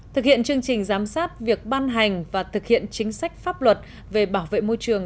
thực hiện chương trình giám sát việc ban hành và thực hiện chính sách pháp luật về bảo vệ môi trường